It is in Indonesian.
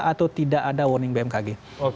atau tidak ada warning bmkg